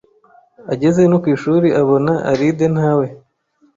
ageze no ku ishuri abona Alide ntawe